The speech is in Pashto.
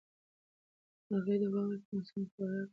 مرغۍ د واورې په موسم کې خوراک نه پیدا کوي.